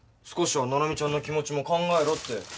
少しは七海ちゃんの気持ちも考えろって。